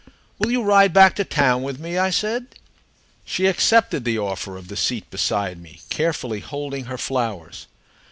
"Will you ride back to town with me?" I said. She accepted the offer of the seat beside me, carefully holding her flowers.